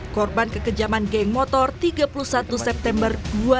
korban kekejaman geng motor tiga puluh satu september dua ribu dua puluh